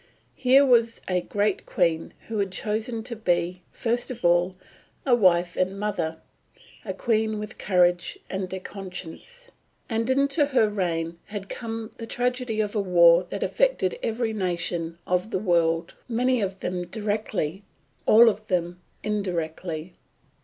Here was a great queen who had chosen to be, first of all, a wife and mother; a queen with courage and a conscience. And into her reign had come the tragedy of a war that affected every nation of the world, many of them directly, all of them indirectly.